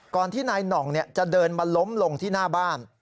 ที่นายหน่องจะเดินมาล้มลงที่หน้าบ้าน